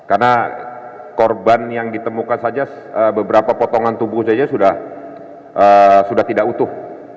karena korban yang ditemukan saja beberapa potongan tubuh saja sudah tidak utuh